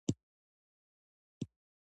خو د هغو رعب دومره وي